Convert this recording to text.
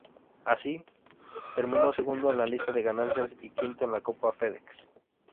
Así, terminó segundo en la lista de ganancias y quinto en la Copa FedEx.